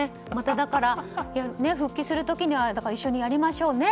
だから、復帰する時には一緒にやりましょうね。